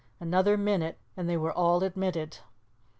Another minute and they were admitted.